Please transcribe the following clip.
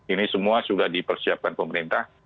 ini semua sudah dipersiapkan pemerintah